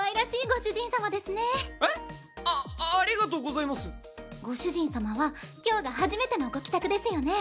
ご主人さまは今日が初めてのご帰宅ですよね？